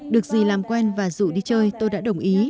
được dì làm quen và dụ đi chơi tôi đã đồng ý